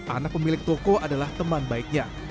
anak pemilik toko adalah teman baiknya